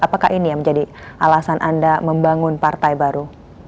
apakah ini yang menjadi alasan anda membangun partai baru